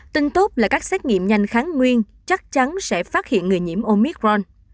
tin tốt là các xét nghiệm nhanh kháng nguyên chắc chắn sẽ phát hiện người nhiễm omicron